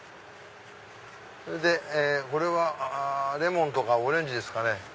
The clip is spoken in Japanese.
それでこれはレモンとかオレンジですかね。